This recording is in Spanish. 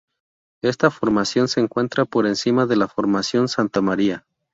Esta formación se encuentra por encima de la formación Santa Maria.